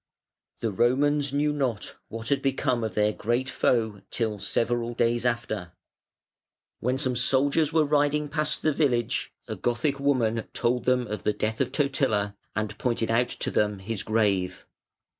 The Romans knew not what had become of their great foe till several days after, when some soldiers were riding past the village, a Gothic woman told them of the death of Totila and pointed out to them his grave.